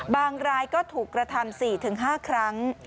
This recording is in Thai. บางหลายก็ถูกกระทำ๔ถึง๕ครั้ง